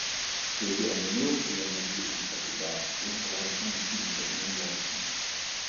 Théodore Monod et Amadou Hampâté Bâ l’encourageront aussi dans cette même direction.